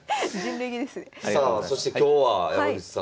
さあそして今日は山口さん。